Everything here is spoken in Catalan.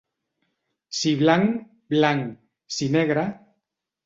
Si blanc, blanc, si negre...